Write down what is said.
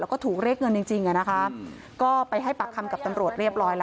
แล้วก็ถูกเรียกเงินจริงก็ไปให้ปักคำกับตำรวจเรียบร้อย